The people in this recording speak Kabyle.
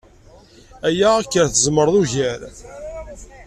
Aya ad k-yerr tzemreḍ ugar.